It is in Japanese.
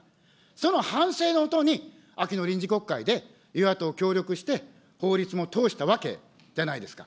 その反省の下に秋の臨時国会で与野党協力して、法律も通したわけじゃないですか。